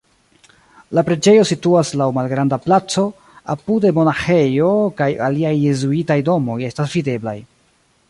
La preĝejo situas laŭ malgranda placo, apude monaĥejo kaj aliaj jezuitaj domoj estas videblaj.